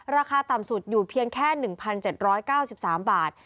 ราคาต่ำสุดอยู่เพียงแค่๑๗๙๓บาท